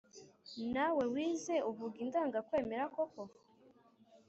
nawe wize uvuga indangakwemera koko?